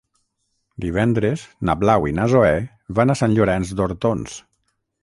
Divendres na Blau i na Zoè van a Sant Llorenç d'Hortons.